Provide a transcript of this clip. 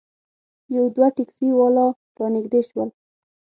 یو دوه ټیکسي والا رانږدې شول.